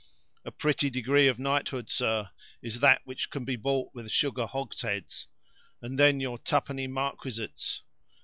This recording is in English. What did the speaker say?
A pretty degree of knighthood, sir, is that which can be bought with sugar hogsheads! and then your twopenny marquisates.